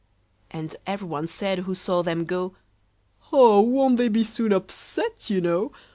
And every one said who saw them go, "Oh! won't they be soon upset, you know?